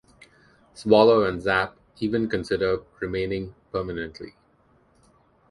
Swallow and Zapp even consider remaining permanently.